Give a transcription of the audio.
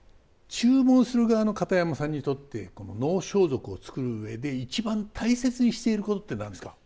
注文する側の片山さんにとって能装束を作る上で一番大切にしていることって何ですか？